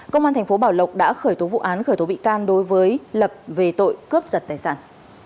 công an thành phố bảo lộc đã khởi tố vụ án khởi tố bị can đối với lập về tội cướp giật tài sản